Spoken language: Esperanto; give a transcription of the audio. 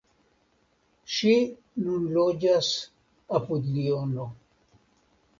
Ŝi nun loĝas apud Liono.